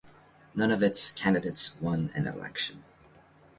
None of its candidates won an election.